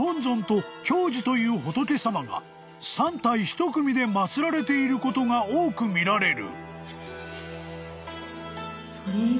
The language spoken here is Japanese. ［という仏様が３体１組で祭られていることが多く見られる］